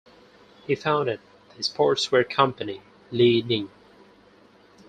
He founded the sportswear company Li-Ning.